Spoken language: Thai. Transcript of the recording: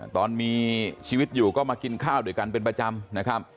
ตอนมีชีวิตอยู่ก็มากินข้าวด้วยกันเป็นประจำนะครับ